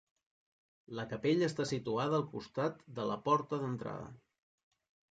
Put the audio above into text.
La capella està situada al costat de la porta d'entrada.